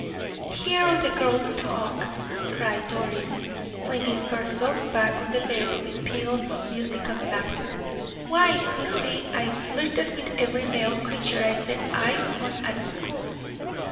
"Hear the girl talk!" cried Doris, flinging herself back on the bed with peals of musical laughter. "Why, goosey, I flirted with every male creature I set eyes on at school."